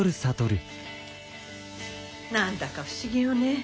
何だか不思議よね。